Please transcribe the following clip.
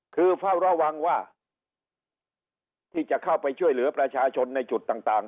คือเฝ้าระวังว่าที่จะเข้าไปช่วยเหลือประชาชนในจุดต่าง